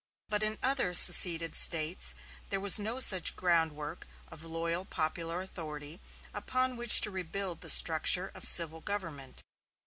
But in other seceded States there was no such groundwork of loyal popular authority upon which to rebuild the structure of civil government.